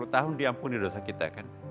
sepuluh tahun diampuni dosa kita kan